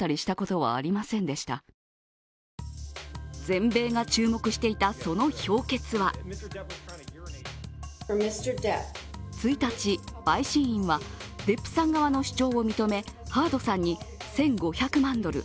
全米が注目していたその評決は１日、陪審員はデップさん側の主張を認め、ハードさんに、１５００万ドル